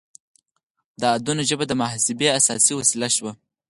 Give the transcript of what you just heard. د عددونو ژبه د محاسبې اساسي وسیله شوه.